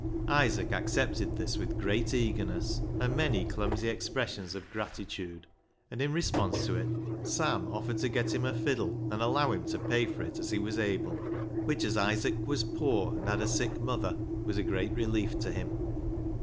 Isaac accepted this with great eagerness and many clumsy expressions of gratitude. And in response to it Sam offered to get him a fiddle and allow him to pay for it as he was able, which, as Isaac was poor and had a sick mother, was a great relief to him.